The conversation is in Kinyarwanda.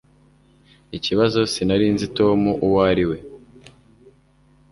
Ikibazo sinari nzi Tom uwo ari we.